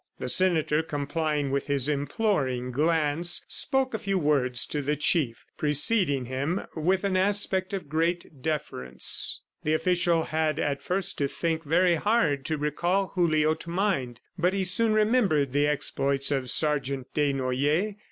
The senator, complying with his imploring glance, spoke a few words to the chief preceding him with an aspect of great deference. The official had at first to think very hard to recall Julio to mind, but he soon remembered the exploits of Sergeant Desnoyers.